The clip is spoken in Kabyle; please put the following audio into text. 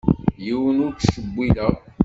Yiwen ur t-ttcewwileɣ.